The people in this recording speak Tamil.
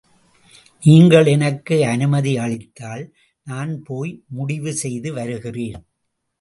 நீங்கள் எனக்கு அனுமதி அளித்தால், நான் போய் முடிவு செய்து வருகிறேன்.